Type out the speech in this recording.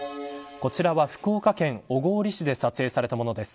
こちらは福岡県小郡市で撮影されたものです。